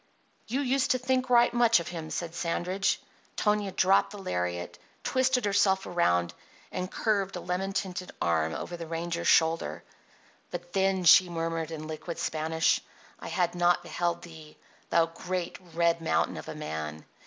"You used to think right much of him," said Sandridge. Tonia dropped the lariat, twisted herself around, and curved a lemon tinted arm over the ranger's shoulder. "But then," she murmured in liquid Spanish, "I had not beheld thee, thou great, red mountain of a man!